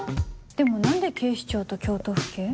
でも何で警視庁と京都府警？